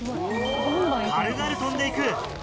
軽々跳んでいく。